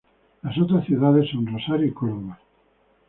Las otras ciudades son Rosario y Córdoba.